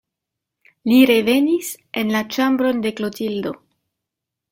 Li revenis en la ĉambron de Klotildo.